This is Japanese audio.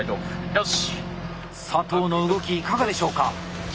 佐藤の動きいかがでしょうか？